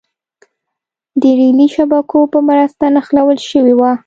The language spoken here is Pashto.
د رېلي شبکو په مرسته نښلول شوې وه.